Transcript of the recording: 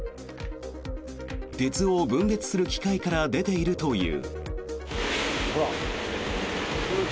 鉄を分別する機械から出ているという。